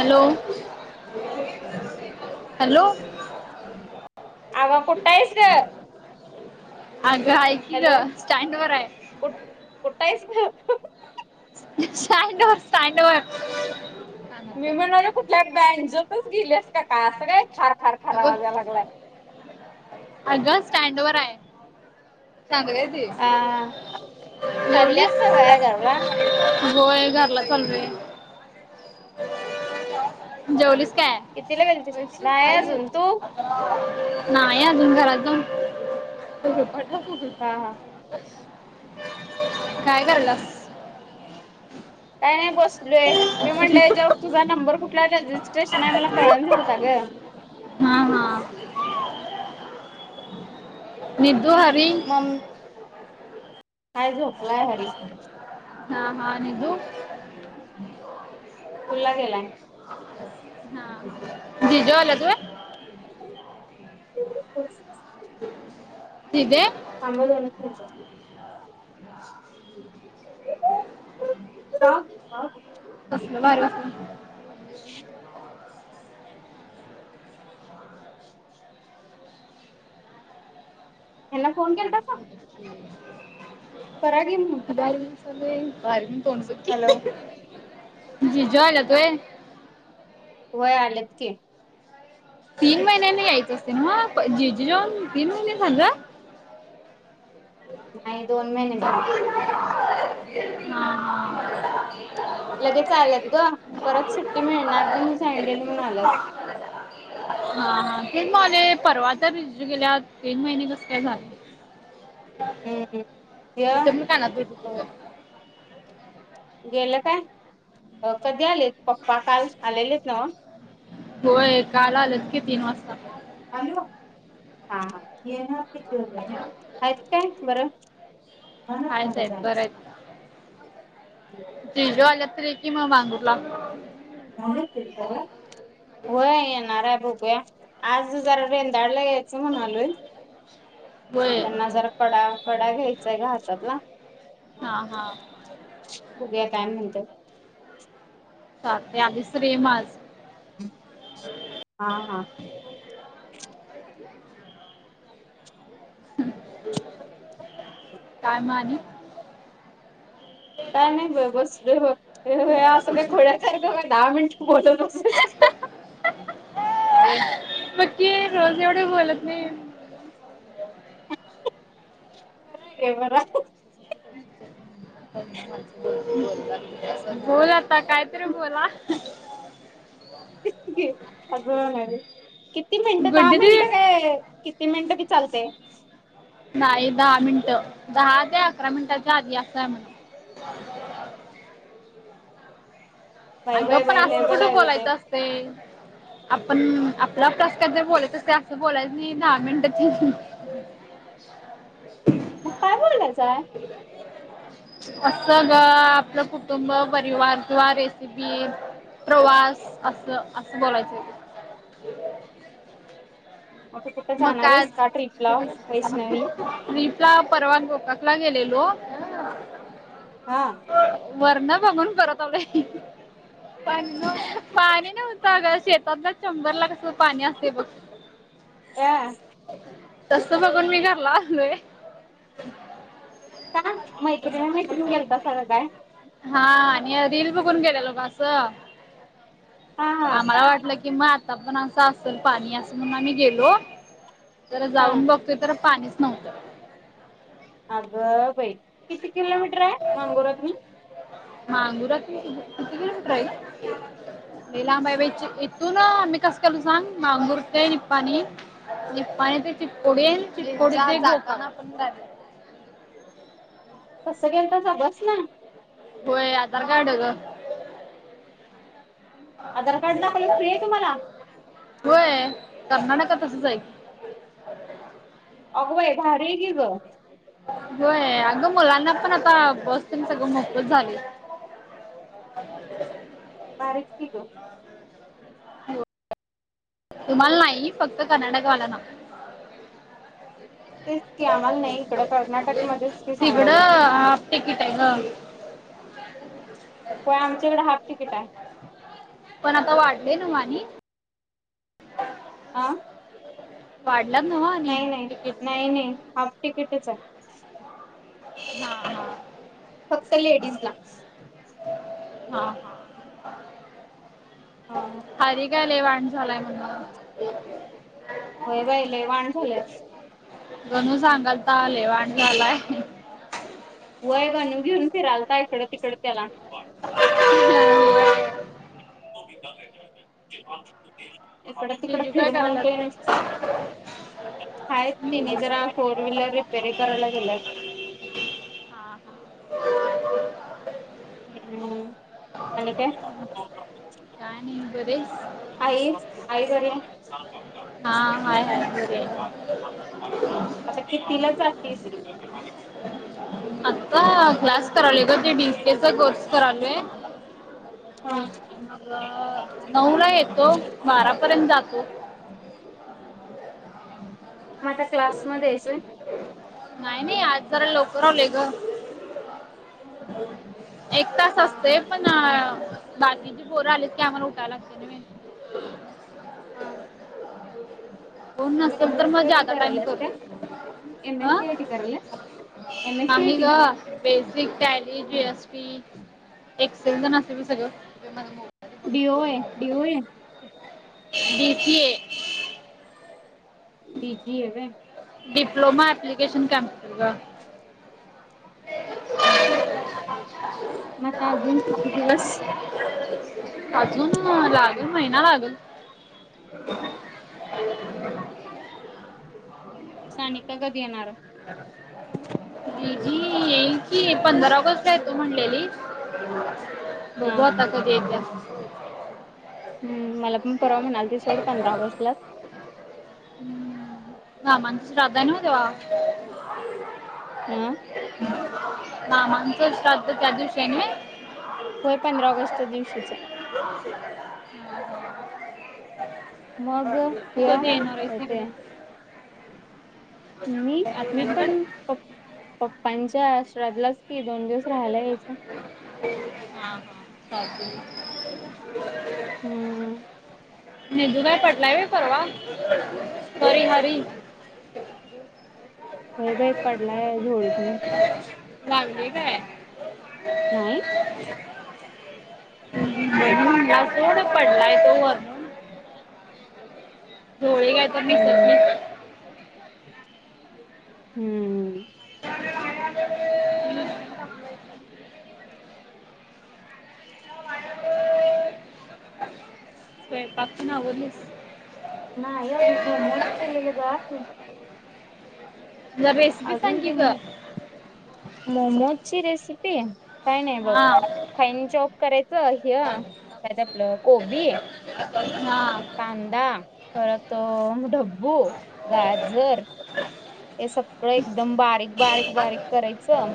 Hello hello अगं कुठा हाइस ग? अगं ऐक की ग स्टँड वर हाय. कुट कुठ हाइस ग? स्टॅंडवर, स्टॅंडवर. मी म्हणाले कुठल्या बँजोतच गील्यास का काय असं काय खाड खाड खाड आवाज यालागलाय. आग स्टँडवर हाय चाललोय हा चालल्यास जेवलिस? का काय घरला? होय घरला चाललोय. जेवलीस काय? कितीला गेलतिस, वैशू नाहि काय आहे? आजुन तु? नाही आजुन घरात जाऊन हा हा काय कराल्यास? काय नाहि बस लोय मी म्हणलेय हेच्यावर तुझा नंबर कुठला रजिस्ट्रेशन हाय मला कळना झालता ग. हा हा. निधु, हरी मं हाय झोपलाय हरी. हा हा. निधु? स्कूलला गेलाय. हा हा जिजु आल्यात व्हय? [unintelligible] दिदे थांब हं दोनच मिनट [unintelligible] [unintelligible] कसलं बारी [unintelligible] यांना फोन केलतासा? करा की मग. हॅलो [unintelligible] जीजू आल्यात होय? वय आलेत की. तीन महिन्यांनी यायच असते ना जीजू जाऊन तीन महिने झाल. नाही दोन महिने झाल. हा हा. लगेच आल्यात ग परत सुट्टी मिळणार नाही म्हणून सांगिटल्यालीत म्हणू आल्यात. हा हा तेच म्हणालोय परवा तर जीजू गेल्यात तीन महिने कस काय झाले. हम्म. य तिथ पण काना [unintelligible] गेलं काय कधी आलेत पप्पा काल आलेलेत नव. होय काल आल्यात की तीन वाजता. हॅलो हा हा येणार आहेत [unintelligible] काय बरं? हायत हायत बरायत. जिजू आल्यात तर ये कि म मांगूर ला - होय येनाराय बगुया. आज जरा रेंदाळला यायचं म्हणालोय होय त्यांना जरा कडा कडा घ्यायचाय ग हातातला. हा हा. बघुया काय म्हंत्यात. चालतंय आलीस तर ये म आज. हा हा. काय म आणि? काय नाही बई बसलोय बघ. हे असं काही खुळ्यासारक काय दहा मिनिटं बोलत बसायच काय? बक्की रोज एवढे बोलत नाही. हे बराय. [inaudible] बोल आता कायतरी बोला. तेच की. अस म्हणायच. किती मिनट दहा गुड्डी मिनट दीदी काय? किती मिनटं बी चालतय. नाही दहा मिनटं दहा ते अकरा मिनिटांच्या आधी असाय म्हण. बाय अगं बाय पण बाय लई असं कुठं बलायते. बोलायचं असते. आपण आपला प्रस्कार जर बोलत असते असं बोलायच नाही दहा मिनट तेन. [inaudible] मग काय बोलायचाय. असं ग आपलं कुटुंब परिवार किंवा रेसेपी. - पी, प्रवास असं असं बोलायचंय ते. तू कुठं मग जाणार काय आहेस आज? का ट्रिपला वैष्णवी ला परवा गोकाकला गेलेलो? हा. वरण बघून परत आलोय. पाणी नव्हतं. पाणी नव्हतं अग शेतात चेंबरला कस पाणी असतय बघ. या तस बघून मी घरला अलोय. का मैत्रिण मैत्रिण गेलतासा काय? हा आणि रील बघून गेलेलो ग असं हा हा आम्हाला वाटलं की किंवा आता पण आंस असल पाणी अस म्हणून आम्ही गेलो? जरा हा जाऊन बघतोय तर पाणीच नव्हतं. अगं बाई किती किलोमीटर आय मंगुरातून? मांगुरातून किती किलोमीटर हाय ग? लई लांब हाय बाई इथून आम्ही कसं केलतो सांग मांगुर ते निपाणी निप्पाणी ते चिककोडी आणि चिकोडी ते गोकाक कसं गेलतास बस न? होय. आधार कार्ड ग. आधार कार्ड दाखवलं फ्री आहे तुम्हाला होय. कर्नाटकात असच आहे. अगबाई! भारी आहे की ग. व्हय. अगं मुलांना पण आता बस न सगळं मोफत झाल. [inaudible] भारीच कि गं. हाय तुम्हाला नाही. फक्त कर्नाटक वाल्याना. तेच की आम्हाला नाही इकडं कर्नाटकमध्येच की तिकडं सांगालोय हा प टिकिट आहे गं. होय आमच्या इकड हाफ तिकीट आहे. पण आता वाढलय नव्ह आणि? [inaudible] आं? वाढलात नव्ह? नाही नाही. नाही नाही. हाफ टिकीटच आहे. हां हां. फक्त लेडीजला. हा हा. हां, हरी काय लई वांड झालाय म्हणून? व्हय बाई. लई वांड झालंय. गणू सांगालता लई वांड झालाय. वय गणू घेऊन फिरालता इकड तिकड त्याला. [inaudible] इकड तीकड घेऊन जिजू काय फिर करायला म्हणतो निस्ता. हायेत हम्म. तिने हा जरा फोर व्हीलर रिपेरिंग करायला गेल्यात. हा हा. हम्म आणि काय काय नही. बरिस? आई? आई घरी. हा हाय हाय बरे आहे. आता कितवीला जातीलस? आता क्लास करालोय गं, ते डी सी एस चा कोर्स करालोय. हं. मग नऊ ला येतो, बारापर्यंत जातो. मग आता क्लासमध्येस व्हय? नाही नाही. आज जरा लवकर आलो ग. एक तास हा असते. पण बाकीची पोर आलीत की आम्हाला उठायला लागते ना मेन. हां. कोन नसल एम तर एस म सी आय टी ज्यादा टाइम करायल्यास काय? करतोय. M S C I T करायलास? एम एस सी आय नाही ग T? Basic Tally G S P एक्सेली पण असत सगळ. D O A, D O A? D C A. D G A व्हय? डप्लोमा ऍप्लिकेशन कम्प्युटर गं. हां. म आता अजून किती दिवस? अजून लागल महिना लागल. सानिका कधी येणार? [inaudible] दिदी येईल कि पंधरा ऑगस्ट आहे तो म्हणलेली हा बघू आता कधी येत हम्म मला पण परवा म्हणाली सोड पंधरा ऑगस्टलाच हम्म मामांचा श्राद्ध आहे ना तेव्हा हा मामांचा श्रद्धा त्या दिवशी आहे का? होय पंधरा ऑगस्टच्या दिवशीच आहे. [unintelligible] मग तू हे कधी येणार आहेस येते तिकडे मी मी आत्यांकडे पण पप्पांच्या श्राद्धलाच की दोन दिवस राहायला यायचं हा हा चालतंय हम्म निजु भाई काय पटलाय परवा हरी हरी होय बाई पडलाय झोळीतुन लागलेय काय? नाही पडलाय तो वरण डोळे काा तर निसत हम्म नाहीसत [unintelligible] हम्म [unintelligible] स्वयंपाक ते ना आवरलं? नाही अजून मोमोज केलेले बघा ह अजून ते मोमोजची रेसिपी काय नाही बघ हा फाईन चॉप करायचं ह कायच आपलं कोबी हा कांदा परत ढब्बू गाजर [inaudible] हे सगळं एकदम बारीक बारीक बारीक करायचं.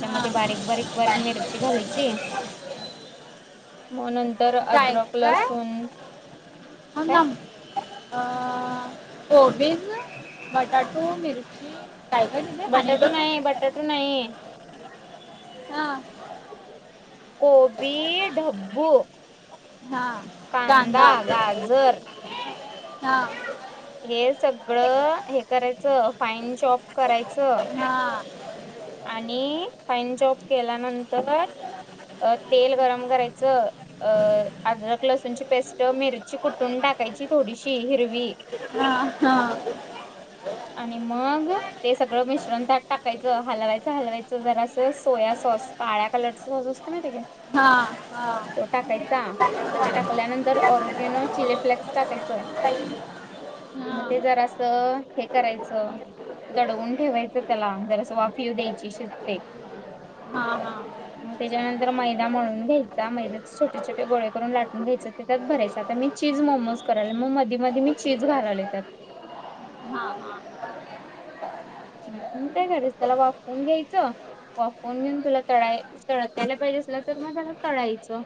हा बारीक बारीक बारीक मिरची घालायची. मग नंतर अद्रक लसूण. ह काय काम अ कोबीन बटाटो मिरची काय काय आणि बटाटो बघ नाही बटाटो नाही हा गोबी ढबू हा कांदा गाजर हा हे सगळं हे करायचं फाईन चाप करायचं. हा आणि फाईन चॉप केल्यानंतर तेल गरम करायचं. अ अदरक लसूण ची पेस्ट मिरची कुठून टाकायची थोडीशी हिरवी. हा हा आणि मग ते सगळं मिश्रण त्याट टाकायचं. हलवायच हलवायचं जरा असं सोया सॉस काळ्या कलरचा सॉस असतो ना ते हा हा तो टाकायचा मग ते टाकल्यानंतर ओरगिनो चिली फ्लेक्स टाकायचं. काहिली [unintelligible] मग ते जर असं हे करायचं. दडवून ठेवायचं त्याला जरास वाफ येऊ द्यायची शिजते. हा. [inaudible] ग त्याच्यानंतर मैदा मळून घ्यायचा मैदा्याचे छोटे छोटे गोळे करून लाटून घ्यायचे ते त्याच्यात भरायच आता मी चीज मोमोज करायला मग मध्ये मध्ये मी चीज घालाले त्यात. हा हा. ह मग काय करायच त्याला वाफवून घ्यायचं वाफवून घेऊन तुला तळाय तळतेल पाहिजे, असला तर मग त्याला तळायचं.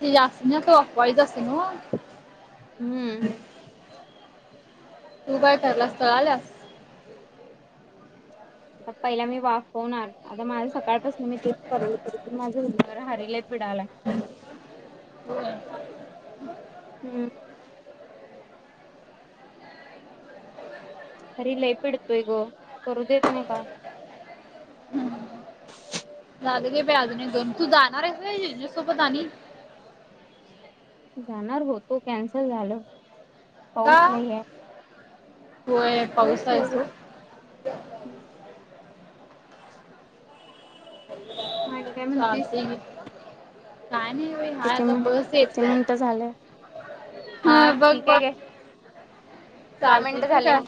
ते यासन्या वाफवायचं असते नव्ह? हम्म. तू काय करायलास तळाल्यास? आता पहिला मी वाफवणार आता माझ सकाळपासून तेच करालोय तरी पण माझ [unintelligible] पाडालाय. हो [unintelligible] हम्म. घरी लय पेडतोय ग करू देत नाही काय. [unintelligible] बाई अजून एक दोन जाणार आहेस होय जिजू़सोबत आणि? जाणार होतो कॅन्सल झालं का पाऊस लय आहे. होय पाऊस आहे सोड. मग आणि काय म्हणतेस? चालतंय घे काय नाही बाई हाय किती आता मिन बस किती येते मिनिट झाले हा ठीक आहे गे. दहा चालतेय मिनिटं ठेवू झाले काय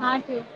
हा ठेव.